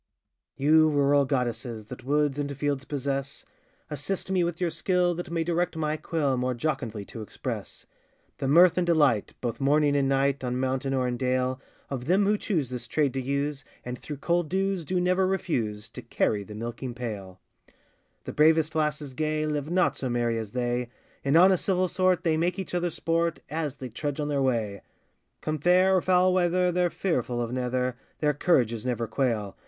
] YOU rural goddesses, That woods and fields possess, Assist me with your skill, that may direct my quill, More jocundly to express, The mirth and delight, both morning and night, On mountain or in dale, Of them who choose this trade to use, And, through cold dews, do never refuse To carry the milking pail. The bravest lasses gay, Live not so merry as they; In honest civil sort they make each other sport, As they trudge on their way; Come fair or foul weather, they're fearful of neither, Their courages never quail.